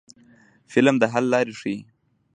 فلم د حل لارې ښيي